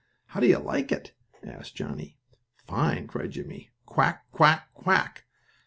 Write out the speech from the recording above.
"How do you like it?" asked Johnnie. "Fine!" cried Jimmie. "Quack! Quack! Quack!"